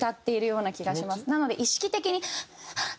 なので意識的にハッ！